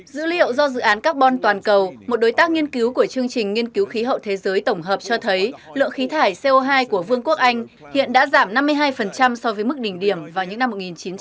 dữ liệu do dự án carbon toàn cầu một đối tác nghiên cứu của chương trình nghiên cứu khí hậu thế giới tổng hợp cho thấy lượng khí thải co hai của vương quốc anh hiện đã giảm năm mươi hai so với mức đỉnh điểm vào những năm một nghìn chín trăm bảy mươi năm